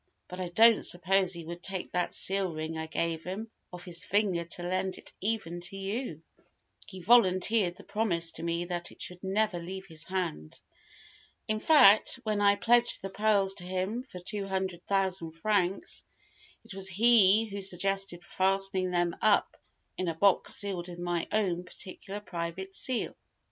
But I don't suppose he would take that seal ring I gave him off his finger to lend it even to you. He volunteered the promise to me that it should never leave his hand. In fact, when I pledged the pearls to him for two hundred thousand francs, it was he who suggested fastening them up in a box sealed with my own particular, private seal."